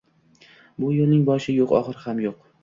Bu yoʻlning boshi yoʻq, oxiri ham yoʻq